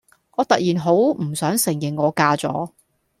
我突然好唔想承認我嫁咗